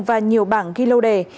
và nhiều bảng ghi lô đề